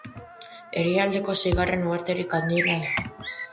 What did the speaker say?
Herrialdeko seigarren uharterik handiena da.